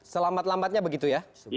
selamat lambatnya begitu ya